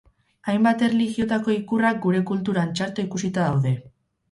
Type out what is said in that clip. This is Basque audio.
Hainbat erlijiotako ikurrak gure kulturan txarto ikusita daude.